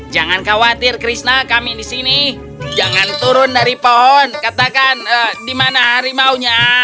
jangan khawatir krishna kami di sini jangan turun dari pohon katakan dimana harimau nya